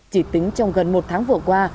chỉ tính trong gần một tháng vừa qua